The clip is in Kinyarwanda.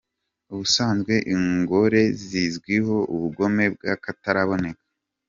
Ubusanzwe ingore zizwiho ubugome bw’ akataraboneka.